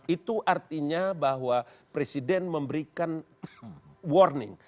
itu artinya bahwa presiden memberikan warning